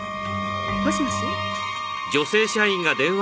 もしもし？